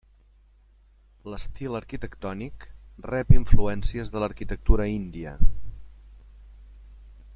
L'estil arquitectònic rep influències de l'arquitectura índia.